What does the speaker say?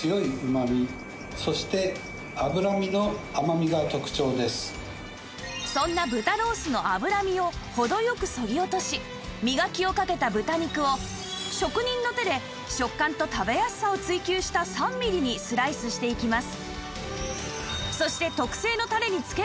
実はそんな豚ロースの脂身を程良くそぎ落としみがきをかけた豚肉を職人の手で食感と食べやすさを追求した３ミリにスライスしていきます